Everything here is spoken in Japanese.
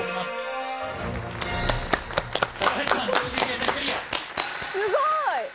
すごい！